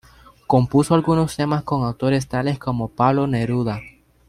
Compuso algunos temas con autores tales como Pablo Neruda.